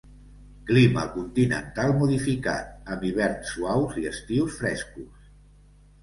Clima continental modificat amb hiverns suaus i estius frescos.